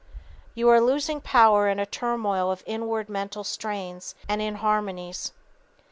You are losing power in a turmoil of inward mental strains and inharmonies.